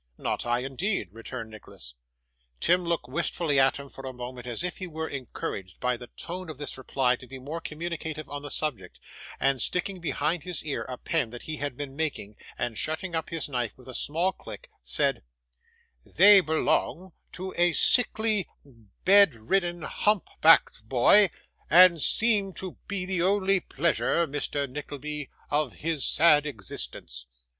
'Not I, indeed,' returned Nicholas. Tim looked wistfully at him, for a moment, as if he were encouraged by the tone of this reply to be more communicative on the subject; and sticking behind his ear, a pen that he had been making, and shutting up his knife with a smart click, said, 'They belong to a sickly bedridden hump backed boy, and seem to be the only pleasure, Mr. Nickleby, of his sad existence.